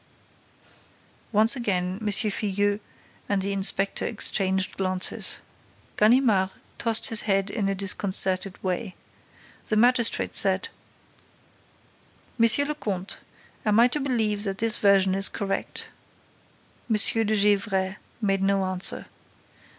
Once again, M. Filleul and the inspector exchanged glances. Ganimard tossed his head in a disconcerted way. The magistrate said: "Monsieur le Comte, am I to believe that this version is correct?" M. de Gesvres made no answer.